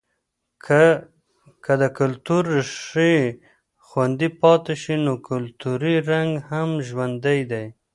که که د کلتور ریښې خوندي پاتې شي، نو کلتوری رنګ هم ژوندی دی.